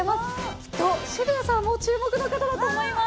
きっと渋谷さんも注目の方だと思います。